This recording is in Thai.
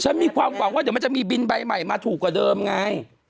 มีความหวังว่าเดี๋ยวมันจะมีบินใบใหม่มาถูกกว่าเดิมไง